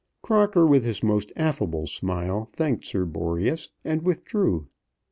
Crocker with his most affable smile thanked Sir Boreas and withdrew.